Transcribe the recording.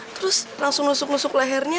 terus langsung nusuk nusuk lehernya